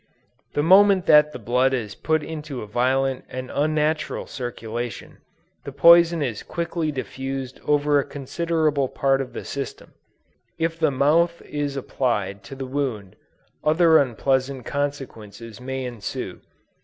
The moment that the blood is put into a violent and unnatural circulation, the poison is quickly diffused over a considerable part of the system. If the mouth is applied to the wound, other unpleasant consequences may ensue.